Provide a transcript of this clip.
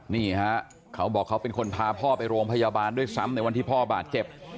นี่ฮะเขาบอกเขาเป็นคนพาพ่อไปโรงพยาบาลด้วยซ้ำในวันที่พ่อบาดเจ็บ